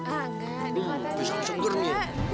aduh bisa seger nek